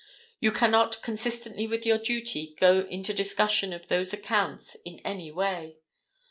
You cannot, consistently with your duty, go into discussion of those accounts in any way.